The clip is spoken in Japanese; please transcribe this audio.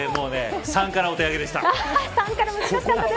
＃３からお手上げでした。